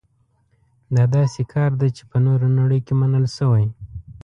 دا داسې کار دی چې په نوره نړۍ کې منل شوی.